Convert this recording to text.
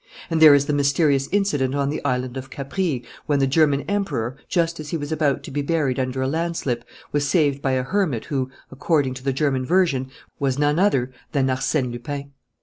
And there is the mysterious incident on the island of Capri when the German Emperor, just as he was about to be buried under a landslip, was saved by a hermit who, according to the German version, was none other than Arsène Lupin."